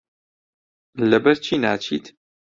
لەبەرچی ناچیت؟